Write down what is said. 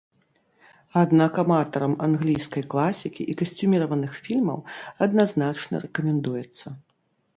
Аднак аматарам англійскай класікі і касцюміраваных фільмаў адназначна рэкамендуецца.